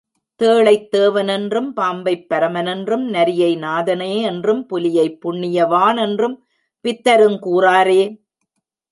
தேளைத் தேவனென்றும், பாம்பைப் பரமனென்றும், நரியை நாதனே என்றும், புலியை புண்ணியவானென்றும், பித்தருங் கூறாரே!